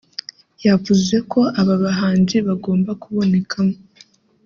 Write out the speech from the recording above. yavuze ko aba bahanzi bagomba kubonekamo